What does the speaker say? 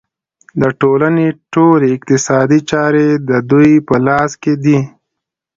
د ټولنې ټولې اقتصادي چارې د دوی په لاس کې دي